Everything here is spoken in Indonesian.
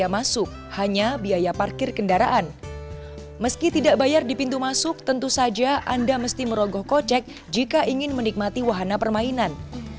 meski tidak bayar di pintu masuk tentu saja anda mesti merogoh kocek jika ingin menikmati wahana permainan